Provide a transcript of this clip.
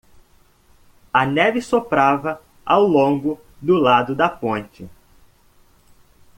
A neve soprava ao longo do lado da ponte.